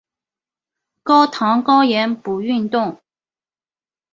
高糖高盐不运动